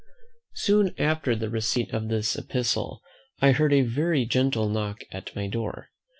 Soon after the receipt of this epistle, I heard a very gentle knock at my door.